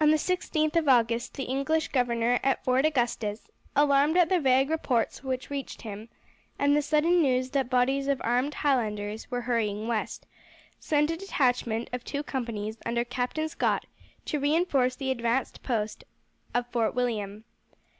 On the 16th of August the English governor at Fort Augustus, alarmed at the vague reports which reached him, and the sudden news that bodies of armed Highlanders were hurrying west, sent a detachment of two companies under Captain Scott to reinforce the advance post of Fort William.